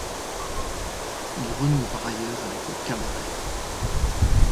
Il renoue par ailleurs avec le cabaret.